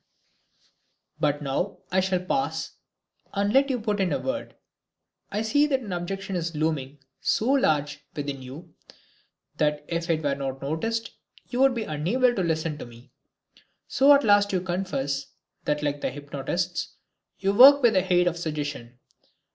But now I shall pause and let you put in a word. I see that an objection is looming so large within you that if it were not voiced you would be unable to listen to me. "So at last you confess that like the hypnotists, you work with the aid of suggestion.